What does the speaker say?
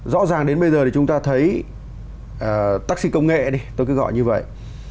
rõ ràng đến bây giờ thì chúng ta thấy taxi công nghệ tôi cứ gọi như vậy